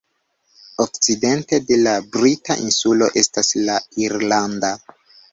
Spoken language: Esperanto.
Okcidente de la brita insulo estas la irlanda.